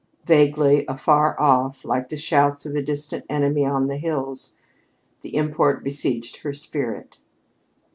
Vaguely, afar off, like the shouts of a distant enemy on the hills, the import besieged her spirit.